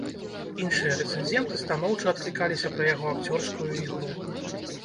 Іншыя рэцэнзенты станоўча адклікаліся пра яго акцёрскую ігру.